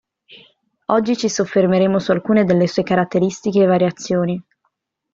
Oggi ci soffermeremo su alcune delle sue caratteristiche e variazioni.